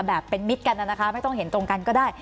แบบเป็นมิตรกันนะคะไม่ต้องเห็นตรงกันก็ได้